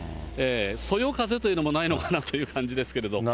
そよ風というのもないのかなという感じですけれども。